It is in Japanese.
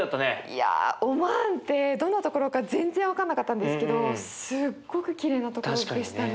いやオマーンってどんなところか全然分かんなかったんですけどすっごくきれいなところでしたね。